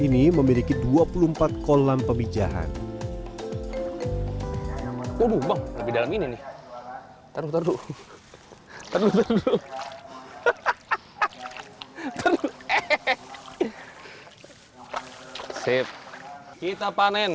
dibalik begini bro bro